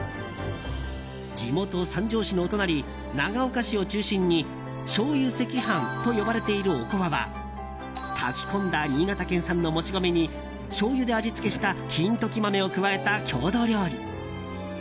地元・三条市のお隣長岡市を中心に醤油赤飯と呼ばれているおこわは炊き込んだ新潟県産のもち米にしょうゆで味付けした金時豆を加えた郷土料理。